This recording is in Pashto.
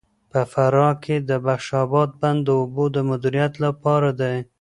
په فراه کې د بخش اباد بند د اوبو د مدیریت لپاره دی.